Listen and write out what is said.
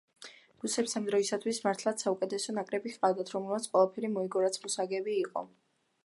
რუსებს ამ დროისათვის მართლაც საუკეთესო ნაკრები ჰყავდათ, რომელმაც ყველაფერი მოიგო, რაც მოსაგები იყო.